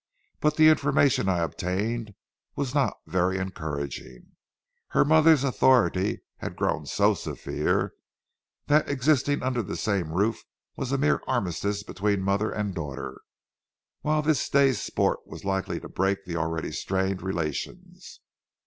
But the information I obtained was not very encouraging. Her mother's authority had grown so severe that existence under the same roof was a mere armistice between mother and daughter, while this day's sport was likely to break the already strained relations.